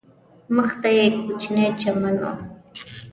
مخ ته یې کوچنی چمن و.